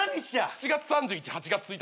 ７月３１８月１日だよ。